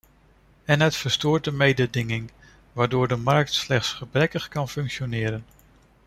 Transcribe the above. En het verstoort de mededinging, waardoor de markt slechts gebrekkig kan functioneren.